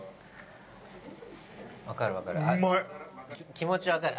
気持ちはわかる。